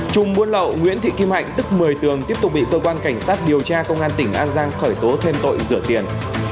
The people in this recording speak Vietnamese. trung buôn lậu nguyễn thị kim hạnh tức một mươi tường tiếp tục bị cơ quan cảnh sát điều tra công an tỉnh an giang khởi tố thêm tội rửa tiền